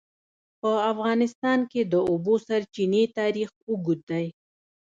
په افغانستان کې د د اوبو سرچینې تاریخ اوږد دی.